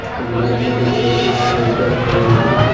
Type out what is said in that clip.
ভাই, আমি নর্মের ব্যাপারে দুঃখিত!